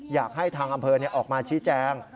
อยากให้ทางอำเภอออกมาชี้แจง